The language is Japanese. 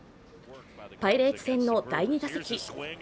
パイレーツ戦の第２打席。